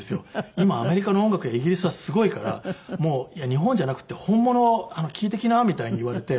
「今アメリカの音楽やイギリスはすごいから日本じゃなくて本物を聴いてきな」みたいに言われて。